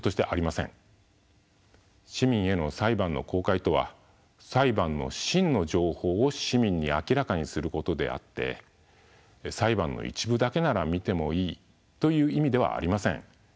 市民への裁判の公開とは裁判の真の情報を市民に明らかにすることであって裁判の一部だけなら見てもいいという意味ではありません。